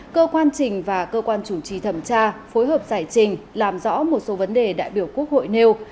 cơ quan trình và cơ quan chủ trì thẩm tra phối hợp giải trình làm rõ một số vấn đề đại biểu quốc hội nêu